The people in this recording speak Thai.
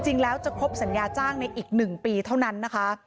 จริงแล้วจะครบสัญญาจ้างในอีก๑ปีเท่านั้นนะคะ